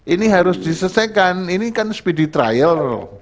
ini harus diselesaikan ini kan speedy trial